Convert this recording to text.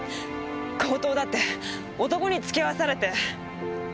強盗だって男に付き合わされて。